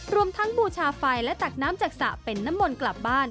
รวมทั้งบูชาไฟและตักน้ำจากสระเป็นน้ำมนต์กลับบ้าน